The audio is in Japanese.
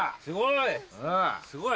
すごい！